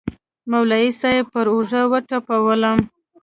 مولوي صاحب پر اوږه وټپولوم.